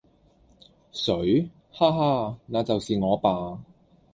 誰？哈哈！那就是我吧！